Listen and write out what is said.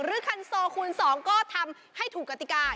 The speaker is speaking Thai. หรือคันโซคูณสองก็ทำให้ถูกกติกา